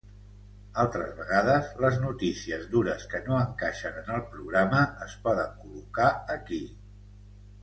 Altres vegades, les notícies dures que no encaixen en el programa es poden col·locar aquí.